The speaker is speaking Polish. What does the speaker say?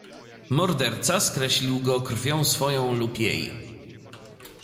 "Morderca skreślił go krwią swoją lub jej."